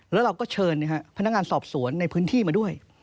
แล้วเราก็เชิญพนักงานสอบสวนในพื้นที่มาด้วย